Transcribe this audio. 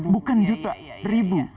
bukan juta ribu